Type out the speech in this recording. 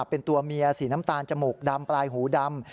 เป็นตัวเมียสีน้ำตาลจมูกดำปลายหูดำ